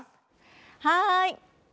はい！